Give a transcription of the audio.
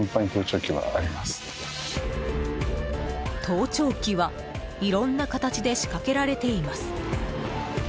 盗聴器はいろんな形で仕掛けられています。